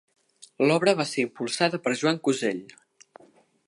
L’obra va ser impulsada per Joan Cusell.